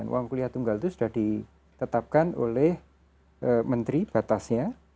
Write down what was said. uang kuliah tunggal itu sudah ditetapkan oleh menteri batasnya